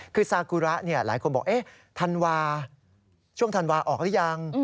คือซากุระหลายคนบอกธันวาช่วงธันวาออกหรือยัง